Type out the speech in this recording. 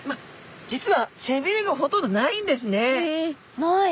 実はせびれがほとんどないんですね。へえない。